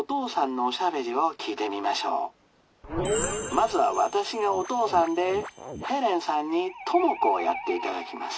まずは私がお父さんでヘレンさんに朋子をやっていただきます。